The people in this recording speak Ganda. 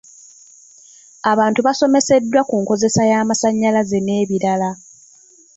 Abantu basomeseddwa ku nkozesa y'amasannyalaze n'ebirala.